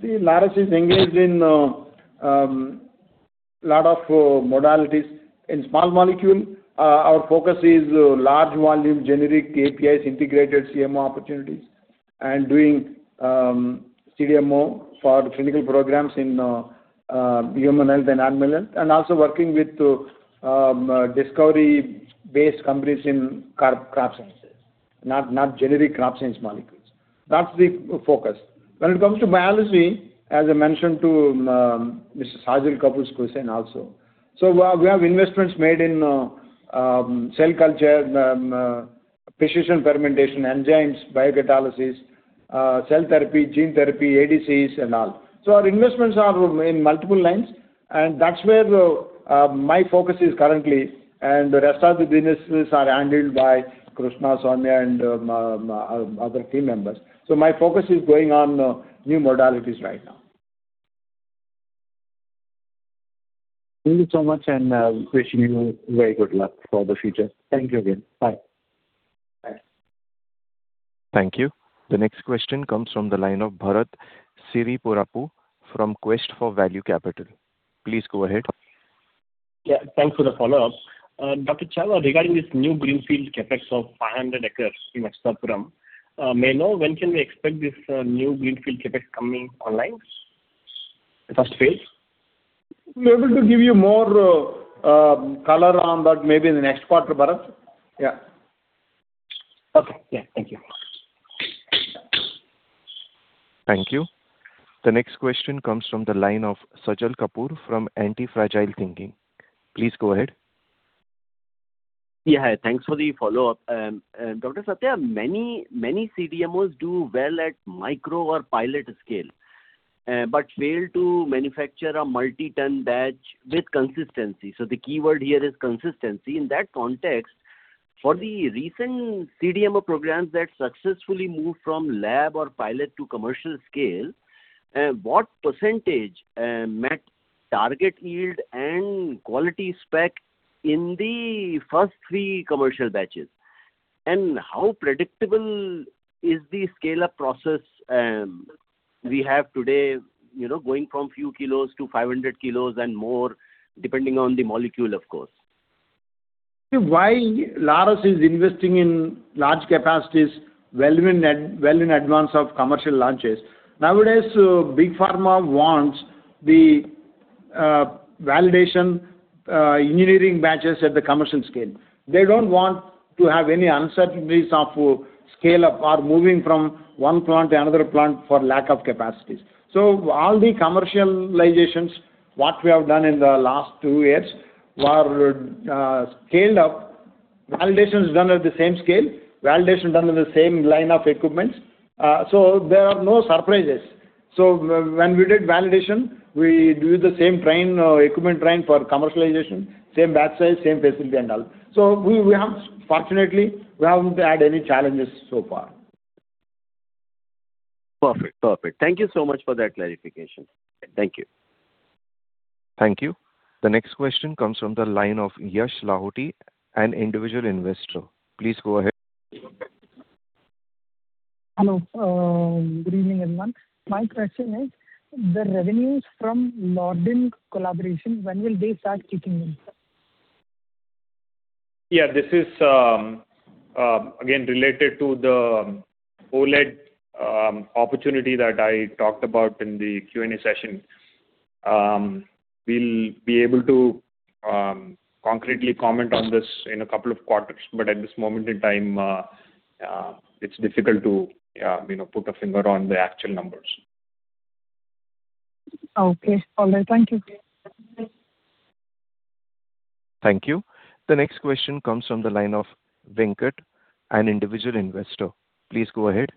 Laurus is engaged in lot of modalities. In small molecule, our focus is large volume generic APIs, integrated CMO opportunities, and doing CDMO for clinical programs in Human Health and Animal Health, and also working with discovery-based companies in Crop Sciences, not generic Crop Science molecules. That's the focus. When it comes to biology, as I mentioned to Mr. Sajal Kapoor's question also. We have investments made in cell culture, precision fermentation, enzymes, biocatalysis, cell therapy, gene therapy, ADCs and all. Our investments are in multiple lines, and that's where my focus is currently, and the rest of the businesses are handled by Krishna, Soumya and other team members. My focus is going on new modalities right now. Thank you so much, and wishing you very good luck for the future. Thank you again. Bye. Bye. Thank you. The next question comes from the line of Bharat Siripurapu from Quest for Value Capital. Please go ahead. Yeah, thanks for the follow-up. Satyanarayana Chava, regarding this new greenfield CapEx of 500 acres in Hastinapuram, may know when can we expect this new greenfield CapEx coming online, the first phase? We're able to give you more color on that maybe in the next quarter, Bharat. Yeah. Okay. Yeah. Thank you. Thank you. The next question comes from the line of Sajal Kapoor from Antifragile Thinking. Please go ahead. Yeah. Hi. Thanks for the follow-up. Dr. Satya, many CDMOs do well at micro or pilot scale, but fail to manufacture a multi-ton batch with consistency. The key word here is consistency. In that context, for the recent CDMO programs that successfully moved from lab or pilot to commercial scale, what percentage met target yield and quality spec in the first three commercial batches? How predictable is the scale-up process, we have today, you know, going from few kilos to 500 kg and more, depending on the molecule, of course. Why Laurus is investing in large capacities well in advance of commercial launches. Nowadays, big pharma wants the validation, engineering batches at the commercial scale. They don't want to have any uncertainties of scale-up or moving from one plant to another plant for lack of capacities. All the commercializations, what we have done in the last two years were scaled up. Validation is done at the same scale, validation done with the same line of equipment. There are no surprises. When we did validation, we used the same train, equipment train for commercialization, same batch size, same facility and all. We have fortunately, we haven't had any challenges so far. Perfect. Perfect. Thank you so much for that clarification. Thank you. Thank you. The next question comes from the line of Yash Lahoti, an individual investor. Please go ahead. Hello. Good evening, everyone. My question is, the revenues from LORDIN collaboration, when will they start kicking in, sir? Yeah, this is, again, related to the OLED opportunity that I talked about in the Q&A session. We'll be able to concretely comment on this in a couple of quarters, but at this moment in time, it's difficult to, you know, put a finger on the actual numbers. Okay. All right. Thank you. Thank you. The next question comes from the line of Venkat, an individual investor. Please go ahead.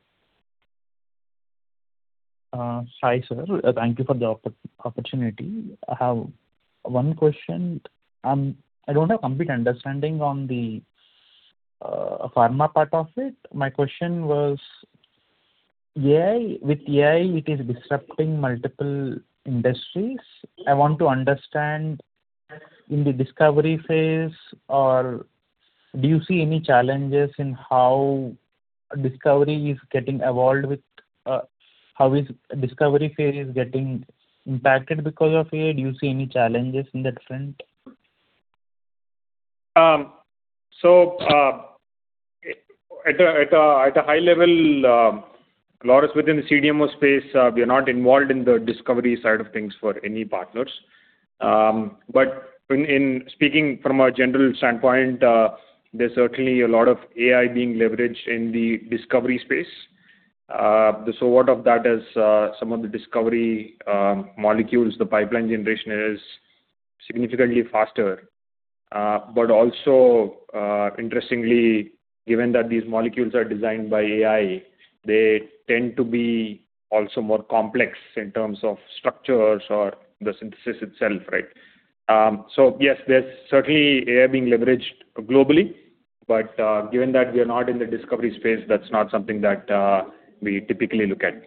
Hi, sir. Thank you for the opportunity. I have one question. I don't have complete understanding on the pharma part of it. My question was AI. With AI, it is disrupting multiple industries. I want to understand in the discovery phase or do you see any challenges in how discovery is getting evolved with, how is discovery phase is getting impacted because of AI? Do you see any challenges in that front? At a high level, Laurus within the CDMO space, we are not involved in the discovery side of things for any partners. In speaking from a general standpoint, there's certainly a lot of AI being leveraged in the discovery space. The sort of that is, some of the discovery molecules, the pipeline generation is significantly faster. Also, interestingly, given that these molecules are designed by AI, they tend to be also more complex in terms of structures or the synthesis itself, right. Yes, there's certainly AI being leveraged globally, but given that we are not in the discovery space, that's not something that we typically look at.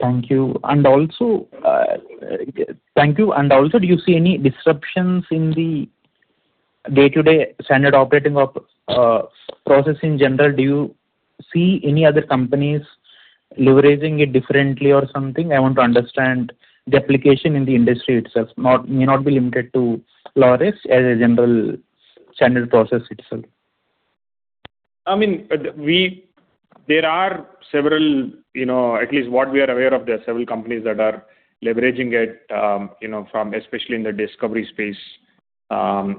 Thank you. Also, do you see any disruptions in the day-to-day standard operating process in general? Do you see any other companies leveraging it differently or something? I want to understand the application in the industry itself. It may not be limited to Laurus as a general standard process itself. I mean, there are several, you know, at least what we are aware of, there are several companies that are leveraging it, you know, from especially in the discovery space,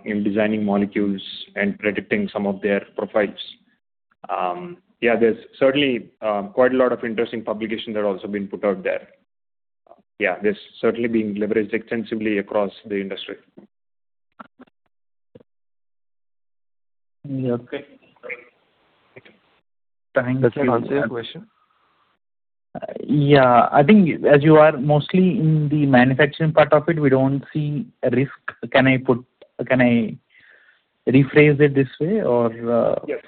in designing molecules and predicting some of their profiles. Yeah, there's certainly quite a lot of interesting publications that are also being put out there. Yeah, this is certainly being leveraged extensively across the industry. Okay. Does that answer your question? Yeah. I think as you are mostly in the manufacturing part of it, we don't see a risk. Can I rephrase it this way or? Yes.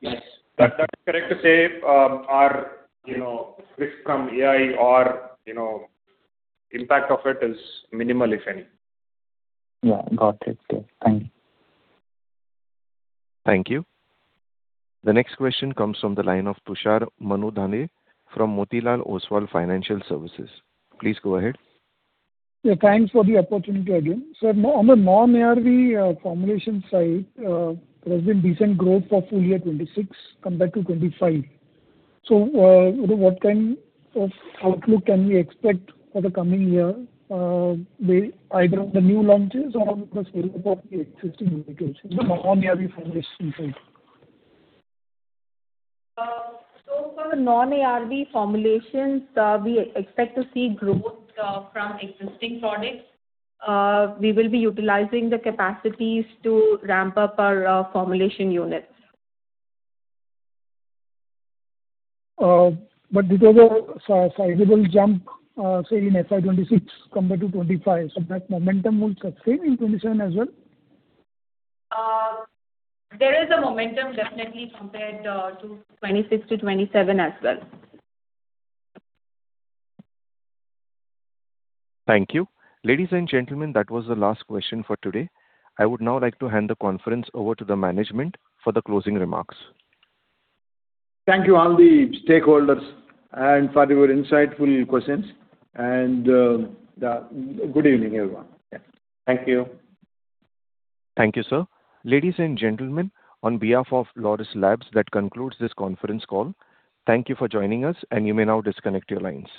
Yes. That's correct to say, our, you know, risk from AI or, you know, impact of it is minimal, if any. Yeah. Got it. Okay. Thank you. Thank you. The next question comes from the line of Tushar Manudhane from Motilal Oswal Financial Services. Please go ahead. Yeah, thanks for the opportunity again. On the non-ARB formulation side, there's been decent growth for FY 2026 compared to FY 2025. What kind of outlook can we expect for the coming year with either on the new launches or the scale-up of the existing indications in the non-ARB formulation side? For the non-ARB formulations, we expect to see growth from existing products. We will be utilizing the capacities to ramp up our formulation units. There was a sizable jump, say in FY 2026 compared to 2025. That momentum will sustain in 2027 as well? There is a momentum definitely compared to 2026 to 2027 as well. Thank you. Ladies and gentlemen, that was the last question for today. I would now like to hand the conference over to the management for the closing remarks. Thank you all the stakeholders and for your insightful questions. Good evening, everyone. Thank you. Thank you, sir. Ladies and gentlemen, on behalf of Laurus Labs, that concludes this conference call. Thank you for joining us, and you may now disconnect your lines.